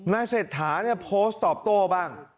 นายเศรษฐาโพสต์ตอบโต้บ้าง